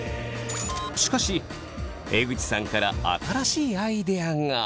しかし江口さんから新しいアイデアが。